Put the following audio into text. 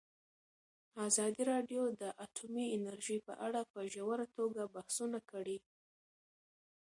ازادي راډیو د اټومي انرژي په اړه په ژوره توګه بحثونه کړي.